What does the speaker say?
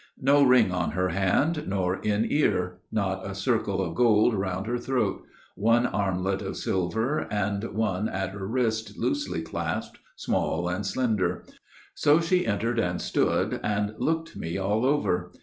No ring on her hand, nor in ear. Not a circle Of gold round her throat. One armlet of silver, And one at her wrist loosely clasped, small and slender. So she entered and stood, and looked me all over.